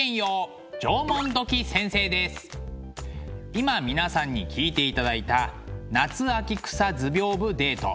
今皆さんに聴いていただいた「夏秋草図屏風デート」。